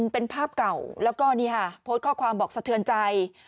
เป็นภาพเก่าแล้วก็นี่ค่ะโพสต์ข้อความบอกสะเทือนใจ